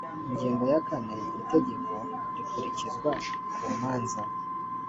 ingingo ya kane itegeko rikurikizwa ku manza